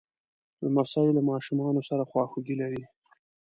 لمسی له ماشومانو سره خواخوږي لري.